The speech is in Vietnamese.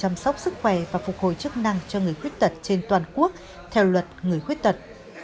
đáp ứng nhu cầu chăm sóc sức khỏe và phục hồi chức năng cho người khuyết tật trên toàn quốc theo luật người khuyết tật